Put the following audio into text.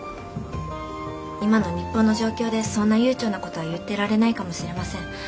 今の日本の状況でそんな悠長な事は言ってられないかもしれません。